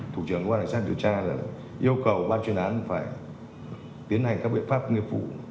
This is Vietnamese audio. thủ trưởng quan sát điều tra yêu cầu ban chuyên án phải tiến hành các biện pháp nghiệp vụ